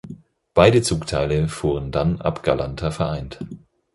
Beide Zugteile fuhren dann ab Galanta vereint.